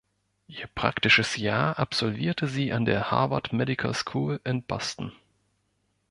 Ihr Praktisches Jahr absolvierte sie an der Harvard Medical School in Boston.